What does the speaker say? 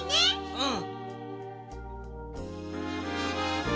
うん！